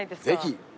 ぜひ。